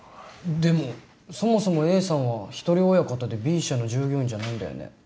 でもそもそもＡさんは一人親方でＢ社の従業員じゃないんだよね。